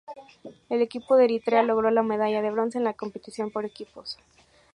El equipo de Eritrea logró la medalla de bronce en la competición por equipos.